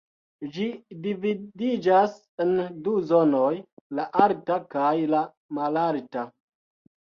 Ĝi dividiĝas en du zonoj: la alta kaj la malalta.